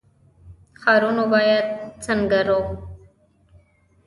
ښارونه باید څنګه زرغون شي؟